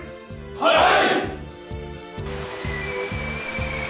はい。